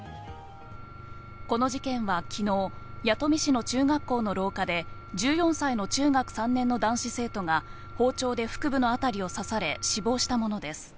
この事件は昨日、弥富市の中学校の廊下で、１４歳の中学３年の男子生徒が包丁で腹部のあたりを刺され死亡したものです。